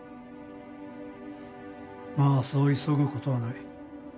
まあそう急ぐ事はない。